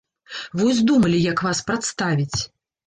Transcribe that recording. Вось думалі, як вас прадставіць.